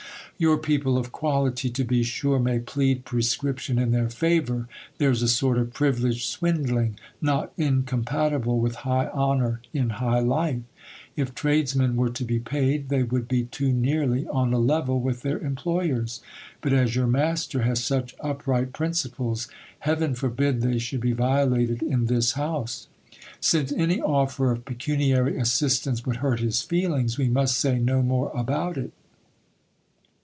Your people of quality, to be sure, may plead prescription in their favour ; there is a sort of privileged swindling, not incompatible with high honour, in high life. If tradesmen were to be paid, they would be too nearly on a level with their employers. But as your master has such upright principles, heaven forbid they should be violated in this house ! Since any offer of pecuniary assistance would hurt his feelings, we must say no more about it.